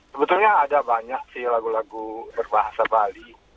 sebetulnya ada banyak sih lagu lagu berbahasa bali